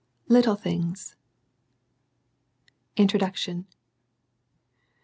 LITTLE THINGS. INTRODUCTION.